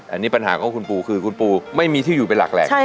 อันนี้ปัญหาของคุณปูคือคุณปูไม่มีที่อยู่เป็นหลักแหล่ง